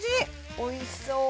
おいしそう！